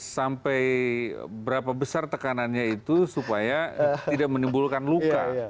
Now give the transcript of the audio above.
sampai berapa besar tekanannya itu supaya tidak menimbulkan luka